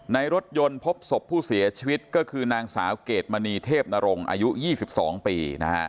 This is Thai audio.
ในรถยนต์พบศพผู้เสียชีวิตก็คือนางสาวเกรดมณีเทพนรงอายุ๒๒ปี